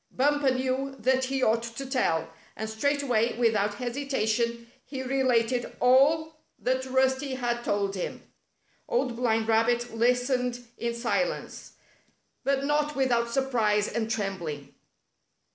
Bumper knew that he ought to tell, and straightway, without hesitation, he related all 80 The Rabbits Rise Against Bumper that Rusty had told him. Old Blind Rabbit listened in silence, but not without smprise and trembling.